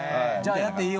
やっていい？